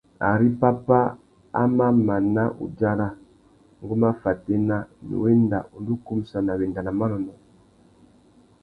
Ari pápá a mà mana udzara, ngu má fatēna, nnú wenda undú kumsana wenda nà manônōh.